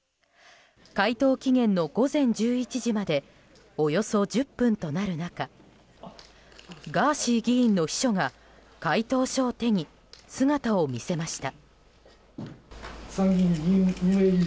回答期限の午前１１時までおよそ１０分となる中ガーシー議員の秘書が回答書を手に姿を見せました。